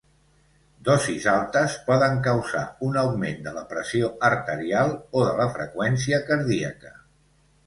Dosis altes poden causar un augment de la pressió arterial o de la freqüència cardíaca.